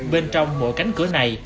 bên trong mỗi cánh cửa này